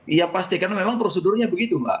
iya pasti karena memang prosedurnya begitu mbak